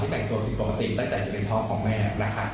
ที่แบ่งตัวผิดปกติได้แต่ที่เป็นท้องของแม่